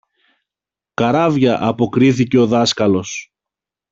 Καράβια, αποκρίθηκε ο δάσκαλος.